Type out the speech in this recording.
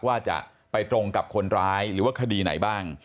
ว่าจะไปตรงกับคนร้ายหรือว่าคดีไหนบ้าง